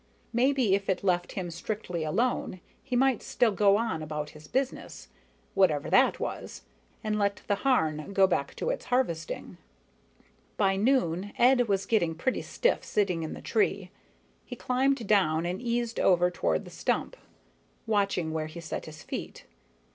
Maybe if it left him strictly alone, he might still go on about his business, whatever that was, and let the Harn get back to its harvesting. By noon, Ed was getting pretty stiff sitting in the tree. He climbed down and eased over toward the stump, watching where he set his feet.